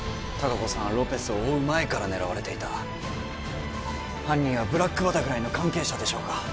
隆子さんはロペスを追う前から狙われていた犯人はブラックバタフライの関係者でしょうか？